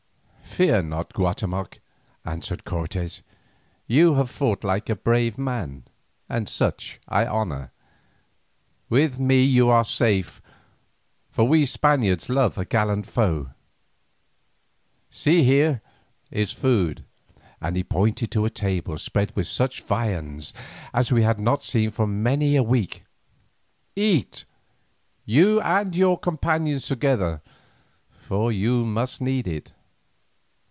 "Fear not, Guatemoc," answered Cortes. "You have fought like a brave man, and such I honour. With me you are safe, for we Spaniards love a gallant foe. See, here is food," and he pointed to a table spread with such viands as we had not seen for many a week; "eat, you and your companions together, for you must need it.